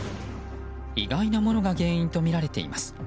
意外なものが原因とみられています。